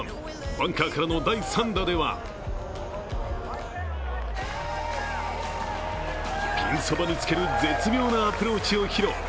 バンカーからの第３打ではピンそばにつける絶妙なアプローチを披露。